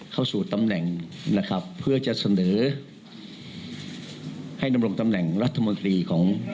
เข้าสู่ตำแหน่งนะครับเพื่อจะเสนอให้ดำรงตำแหน่งรัฐมนตรีของ